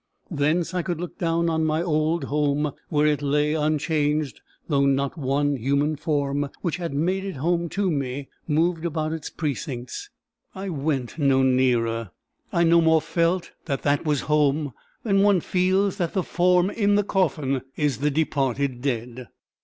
Thence I could look down on my old home, where it lay unchanged, though not one human form, which had made it home to me, moved about its precincts. I went no nearer. I no more felt that that was home, than one feels that the form in the coffin is the departed dead.